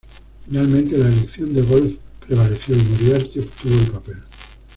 Finalmente la elección de Wolf prevaleció y Moriarty obtuvo el papel.